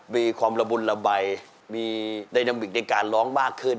มีความระบุญระบายมีไดนามวิกในการร้องมากขึ้น